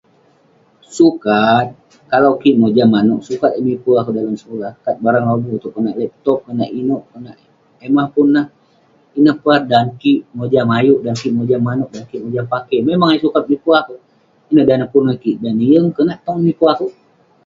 Sukat. Kalau kik mojam manouk, sukat eh miper akouk dalem sekulah. Kat barang lobuk itouk, konak laptop, konak inouk, konak eh mah pun neh. Ineh peh dan kik mojam ayuk, dan kik mojam manouk dan kik mojam pakey. Memang yah sukat miper akouk, ineh dan neh pun ngan kik. Dan neh yeng, konak tog neh miper akouk?